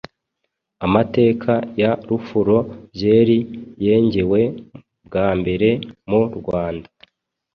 Amateka ya Rufuro (Byeri) yengewe bwa mbere mu Rwanda